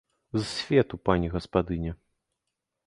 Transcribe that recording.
З свету, пані гаспадыня!